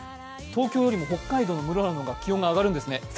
東京よりも北海道の室蘭の方が気温が上がるんですね。